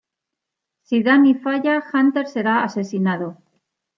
Si Danny falla, Hunter será asesinado.